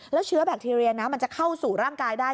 แล้วเชื้อแบคทีเรียนะมันจะเข้าสู่ร่างกายได้